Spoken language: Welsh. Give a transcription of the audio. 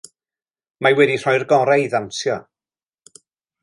Mae wedi rhoi'r gorau i ddawnsio.